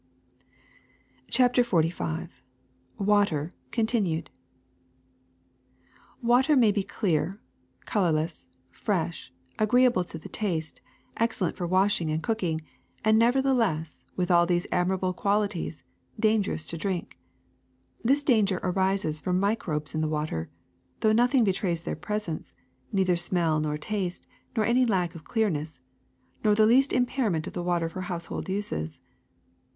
CHAPTER XLV WATER (continued) 'T ^TATER may be clear, colorless, fresh, agree T V able to the taste, excellent for washing and cooking, and nevertheless, with all these admirable qualities, dangerous to drink. This danger arises from microbes in the water, though nothing betrays their presence, neither smell nor taste, nor any lack of clearness, nor the least impairment of the water for household uses.